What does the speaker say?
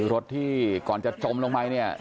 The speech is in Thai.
รถที่ก่อนจะจมลงไป